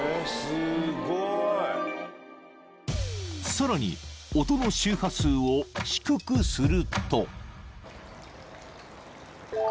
［さらに音の周波数を低くすると］